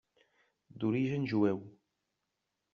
D'origen jueu.